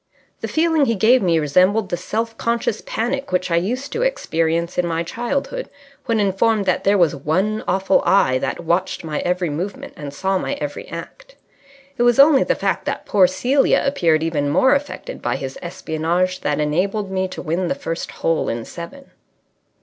The feeling he gave me resembled the self conscious panic which I used to experience in my childhood when informed that there was One Awful Eye that watched my every movement and saw my every act. It was only the fact that poor Celia appeared even more affected by his espionage that enabled me to win the first hole in seven.